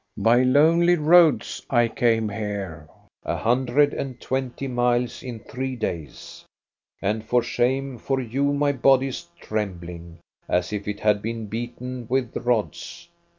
By lonely roads I came here, a hundred and twenty miles in three days. And for shame for you my body is trembling, as if it had been beaten with rods.